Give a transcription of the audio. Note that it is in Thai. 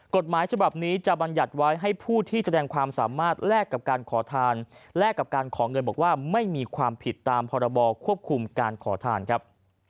กฎหมายฉบับนี้จะบรรยัติไว้ให้ผู้ที่แสดงความสามารถแลกกับการขอทานแลกกับการขอเงินบอกว่าไม่มีความผิดตามพรบควบคุมการขอทานครับ